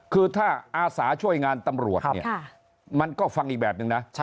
คือถ้าอาสาช่วยงานตำรวจเนี่ยมันก็ฟังอีกแบบนึงนะ